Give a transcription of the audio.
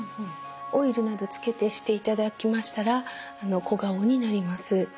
オイルなどつけてしていただきましたら小顔になります。